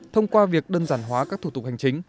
thông qua việc đơn giản hóa các thủ tục hành chính